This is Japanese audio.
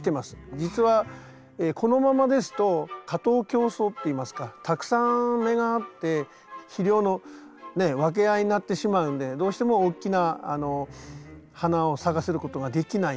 実はこのままですと過当競争っていいますかたくさん芽があって肥料の分け合いになってしまうんでどうしても大きな花を咲かせることができないんで。